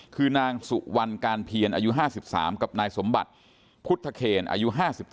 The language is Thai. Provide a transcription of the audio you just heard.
คือนางสุวรรณการเพียรอายุ๕๓กับนายสมบัติพุทธเคนอายุ๕๗